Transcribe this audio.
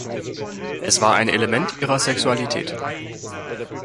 Es war ein Element ihrer Sexualität.